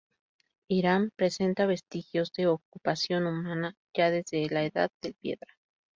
Irán presenta vestigios de ocupación humana ya desde la Edad de Piedra.